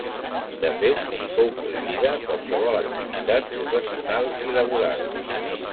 De fet, li fou prohibida qualsevol activitat professional i laboral.